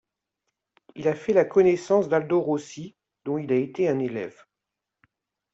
Il fait la connaissance d'Aldo Rossi, dont il a été un élève.